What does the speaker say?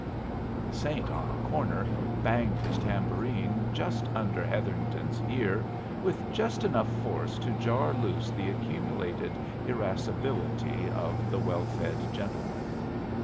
The Saint on the corner banged his tambourine just under Hetherington's ear with just enough force to jar loose the accumulated irascibility of the well fed gentleman.